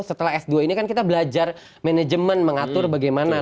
setelah s dua ini kan kita belajar manajemen mengatur bagaimana